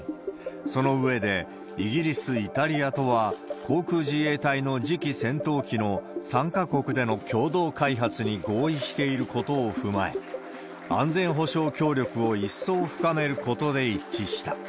その上で、イギリス、イタリアとは、航空自衛隊の次期戦闘機の３か国での共同開発に合意していることを踏まえ、安全保障協力を一層深めることで一致した。